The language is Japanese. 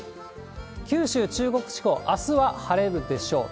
九州、中国地方、あすは晴れるでしょう。